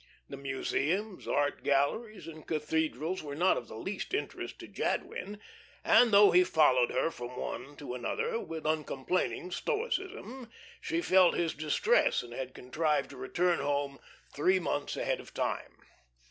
The museums, art galleries, and cathedrals were not of the least interest to Jadwin, and though he followed her from one to another with uncomplaining stoicism, she felt his distress, and had contrived to return home three months ahead of time.